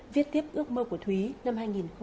viết tiếp ước mơ của thúy năm hai nghìn một mươi chín